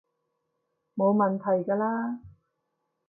冇問題㗎喇